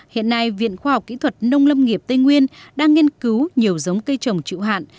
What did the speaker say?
hiện nay viện khoa học kỹ thuật nông lâm nghiệp tây nguyên đang nghiên cứu nhiều giống cây trồng chịu hạn